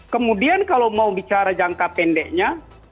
kemudian kalau mau bicara jangka pendeknya